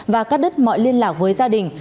và cắt đứt mọi liên lạc với gia đình